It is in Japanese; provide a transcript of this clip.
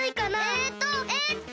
えっとえっと。